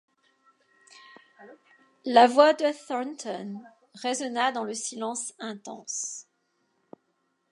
La voix de Thornton résonna dans le silence intense.